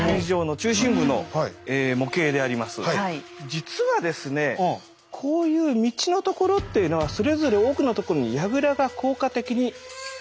実はですねこういう道のところっていうのはそれぞれ多くのところに櫓が効果的に建てられていて。